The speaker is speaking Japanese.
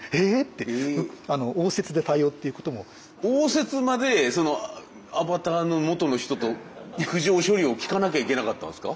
応接間でそのアバターのもとの人と苦情聞かなきゃいけなかったんですか？